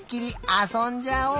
あそんじゃおう！